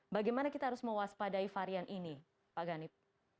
bagaimana kita harus mewaspadai varian ini pak ganip